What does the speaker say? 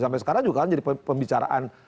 sampai sekarang juga kan jadi pembicaraan